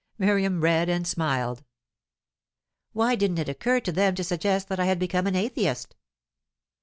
Miriam read and smiled. "Why didn't it occur to them to suggest that I had become an atheist?"